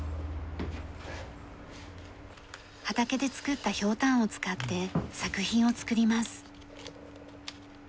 畑で作ったヒョウタンを使って作品を作ります。